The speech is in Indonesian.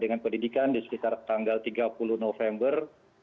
dengan pendidikan di sekitar tanggal tiga puluh november